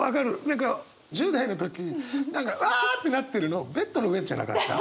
何か１０代の時何かわってなってるのベッドの上じゃなかった？